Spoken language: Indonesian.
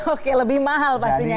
oke lebih mahal pastinya